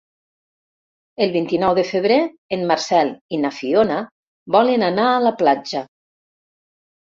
El vint-i-nou de febrer en Marcel i na Fiona volen anar a la platja.